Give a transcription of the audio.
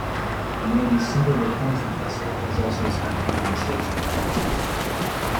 The Navy's single replenishment vessel has also spent time on station.